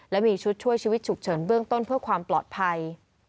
และมีชุดช่วยชีวิตฉุกเฉินเบื้องต้นเพื่อความปลอดภัย